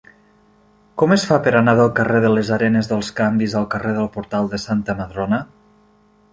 Com es fa per anar del carrer de les Arenes dels Canvis al carrer del Portal de Santa Madrona?